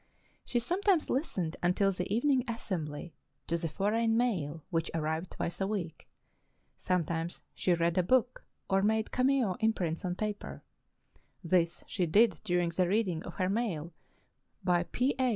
She sometimes listened, until the evening assembly, to the foreign mail which arrived twice a week; sometimes she read a book, or made cameo imprints on paper; this she did during the reading of her mail by P. A.